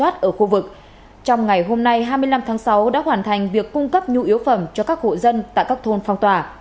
trong ngày hôm nay hai mươi năm tháng sáu đã hoàn thành việc cung cấp nhu yếu phẩm cho các hộ dân tại các thôn phong tỏa